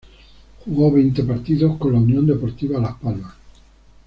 Jugó veinte partidos con la U. D. Las Palmas.